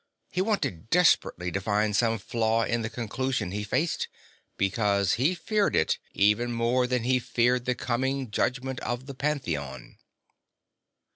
He wanted desperately to find some flaw in the conclusion he faced, because he feared it even more than he feared the coming judgment of the Pantheon.